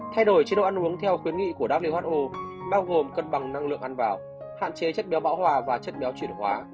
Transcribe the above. thay đổi chế độ ăn uống theo khuyến nghị của who bao gồm cân bằng năng lượng ăn vào hạn chế chất béo bão hòa và chất béo chuyển hóa